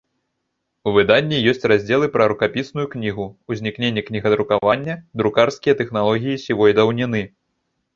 У выданні ёсць раздзелы пра рукапісную кнігу, узнікненне кнігадрукавання, друкарскія тэхналогіі сівой даўніны.